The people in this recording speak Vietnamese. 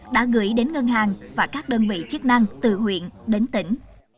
đã gửi đến ngân hàng và các đơn vị chức năng từ huyện đến tỉnh